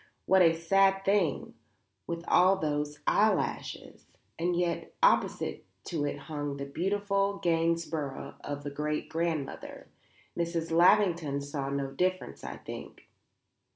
What a sad thing; with all those eyelashes! And yet opposite to it hung the beautiful Gainsborough of a great grandmother. Mrs. Lavington saw no difference, I think."